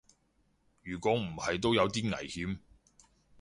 如果唔係都有啲危險